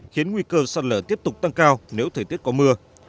khiến nguy cơ sạt lở tiếp tục tăng cao nếu thời tiết có mưa